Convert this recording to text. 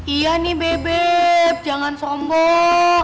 iya nih bebek jangan sombong